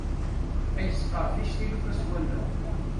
Ad yesqerdic tilufa s wallaɣ.